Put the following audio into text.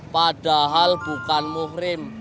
padahal bukan muhrim